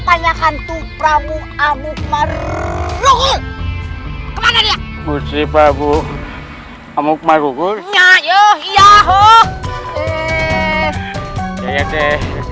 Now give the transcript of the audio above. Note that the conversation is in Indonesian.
tanyakan tuh prabu amukmarugul kemana dia gusti prabu amukmarugul ya ya ya hoh